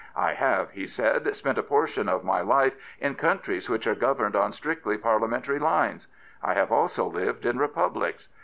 I have/* he said, spent a portion of my life in countries which are governed on strictly Parlia mentary lines. I have also lived in Republics.